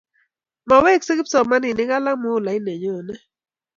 mabeeksei kipsomaninik alak muhulait ne nyone